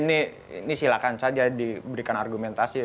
ini silakan saja diberikan argumentasi